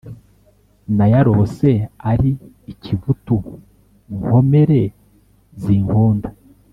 Nayarose ari ikivutu nkomere zinkunda